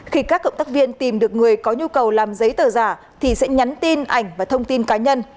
khi các cộng tác viên tìm được người có nhu cầu làm giấy tờ giả thì sẽ nhắn tin ảnh và thông tin cá nhân